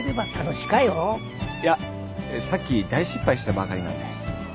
いやさっき大失敗したばかりなんで。